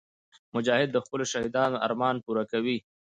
مجاهد د خپلو شهیدانو ارمان پوره کوي.